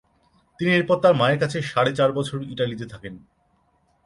তিনি এরপর তার মায়ের সাথে সাড়ে চার বছর ইতালিতে থাকেন।